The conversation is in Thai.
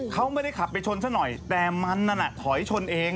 เขาไม่ได้ขับไปชนซะหน่อยแต่มันนั่นน่ะถอยชนเอง